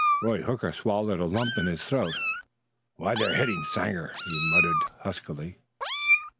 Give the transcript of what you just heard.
Roy Hooker swallowed a lump in his throat. "Why, they're hitting Sanger!" he muttered huskily.